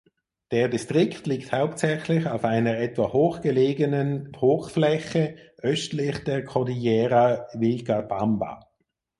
Der Distrikt liegt hauptsächlich auf einer etwa hoch gelegenen Hochfläche östlich der Cordillera Vilcabamba.